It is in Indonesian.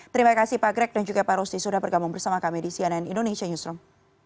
terima kasih pak greg dan juga pak rusti sudah bergabung bersama kami di cnn indonesia newsroom